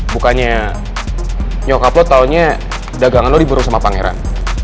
bukannya nyokap lo taunya dagangan lo diburu sama pangeran